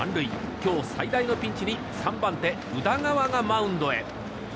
今日最大のピンチに３番手宇田川がマウンドへ。